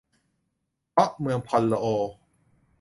เพราะเมืองพอลโอ